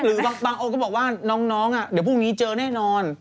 บางองค์ก็บอกว่าน้องเดี๋ยวพรุ่งนี้เจอแน่นอน